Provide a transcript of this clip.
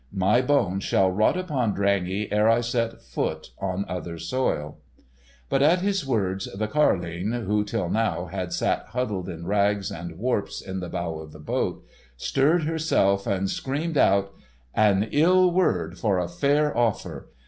My bones shall rot upon Drangey ere I set foot on other soil." But at his words the carline, who till now had sat huddled in rags and warps in the bow of the boat, stirred herself and screamed out: "An ill word for a fair offer.